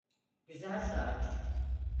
Güzel saat.